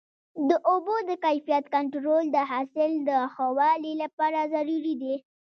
د اوبو د کیفیت کنټرول د حاصل د ښه والي لپاره ضروري دی.